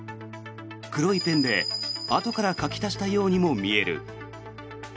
黒いペンで、あとから書き足したようにも見える。